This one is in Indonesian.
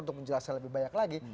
untuk menjelaskan lebih banyak lagi